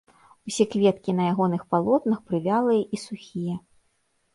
Усе кветкі на ягоных палотнах прывялыя і сухія.